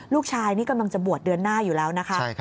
ลูกชายนี่กำลังจะบวชเดือนหน้าอยู่แล้วนะคะ